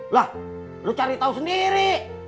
lah lu cari tahu sendiri